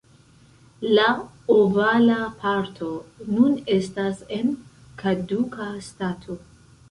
La ovala parto nun estas en kaduka stato.